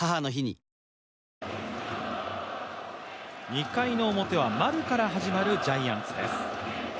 ２回の表は丸から始まるジャイアンツです。